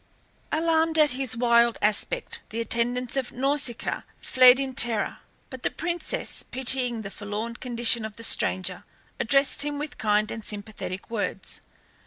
Alarmed at his wild aspect the attendants of Nausicaa fled in terror; but the princess, pitying the forlorn condition of the stranger, addressed him with kind and sympathetic words.